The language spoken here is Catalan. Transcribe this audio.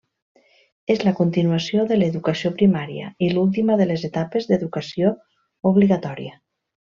És la continuació de l'educació primària i l'última de les etapes d'educació obligatòria.